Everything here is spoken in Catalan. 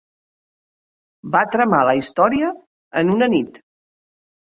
Va tramar la història en una nit.